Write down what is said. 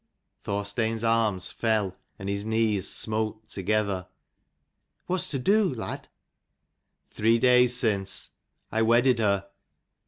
Thorstein's arms fell and his knees smote together. "What's to do, lad?" " Three days since I wedded her."